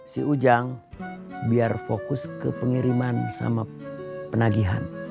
si ujang biar fokus ke pengiriman sama penagihan